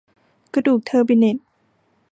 กระดูกเทอร์บิเนต